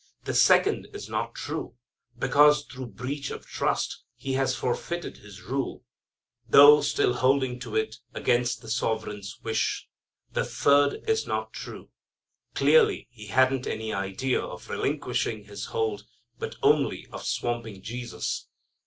The second is not true, because through breach of trust he has forfeited his rule, though still holding to it against the Sovereign's wish. The third is not true. Clearly he hadn't any idea of relinquishing his hold, but only of swamping Jesus.